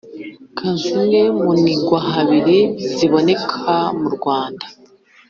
ka zimwe mu nigwahabiri ziboneka mu Rwanda